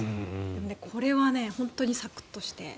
これは本当にサクッとして。